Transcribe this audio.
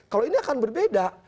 kalau ini akan berbeda